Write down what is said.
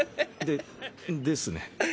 でですね。